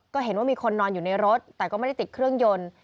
ก็เห็นว่ามีคนนอนอยู่ในรถแต่ก็ไม่ได้ติดเครื่องยนต์